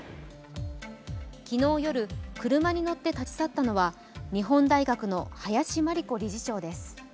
昨日夜、車に乗って立ち去ったのは日本大学の林真理子理事長です。